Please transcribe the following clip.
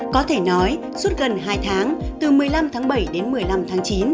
có thể nói suốt gần hai tháng từ một mươi năm tháng bảy đến một mươi năm tháng chín